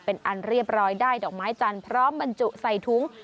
เป็นอันเรียบร้อยได้ดอกไม้จันทร์พร้อมบรรจุใส่ถุง